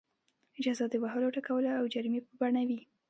جزا د وهلو ټکولو او جریمې په بڼه وي.